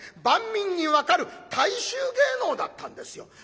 万民に分かる大衆芸能だったんですよ。